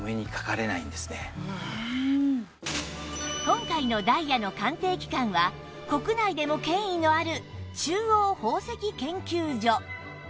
今回のダイヤの鑑定機関は国内でも権威のある中央宝石研究所